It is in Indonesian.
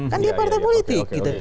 kan dia partai politik